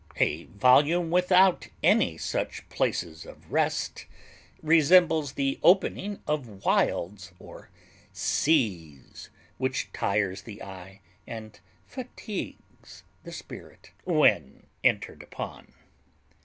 A volume without any such places of rest resembles the opening of wilds or seas, which tires the eye and fatigues the spirit when entered upon.